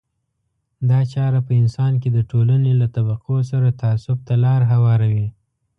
دا چاره په انسان کې د ټولنې له طبقو سره تعصب ته لار هواروي.